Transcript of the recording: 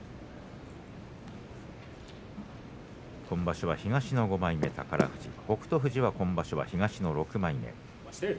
今場所は東の５枚目、宝富士北勝富士は今場所は東の６枚目。